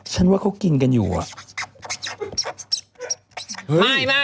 ฉันว่าเขากินกันอยู่อะ